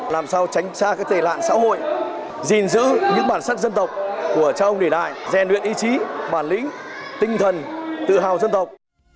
làm sao tránh xa các tề lạng xã hội giữ những bản sắc dân tộc của cha ông đề đại rèn luyện ý chí bản lĩnh tinh thần tự hào dân tộc